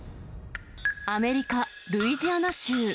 アメリカ・ルイジアナ州。